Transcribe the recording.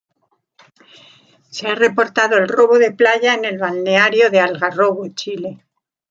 Se ha reportado el robo de playa en el balneario de Algarrobo, Chile.